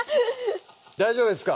大丈夫ですか？